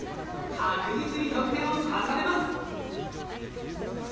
確実に得点を重ねます。